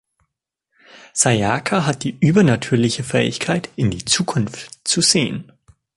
Sayaka hat die übernatürliche Fähigkeit in die Zukunft zu sehen.